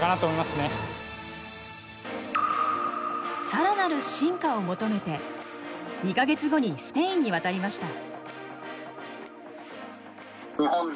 更なる進化を求めて２か月後にスペインに渡りました。